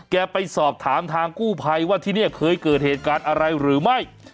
ไปสอบถามทางกู้ภัยว่าที่นี่เคยเกิดเหตุการณ์อะไรหรือไม่